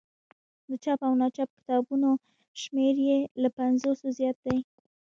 د چاپ او ناچاپ کتابونو شمېر یې له پنځوسو زیات دی.